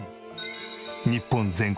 日本全国